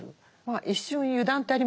一瞬の油断ってありますよね。